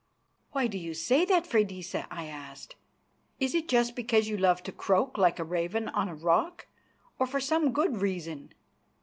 "Why do you say that, Freydisa?" I asked. "Is it just because you love to croak like a raven on a rock, or for some good reason?"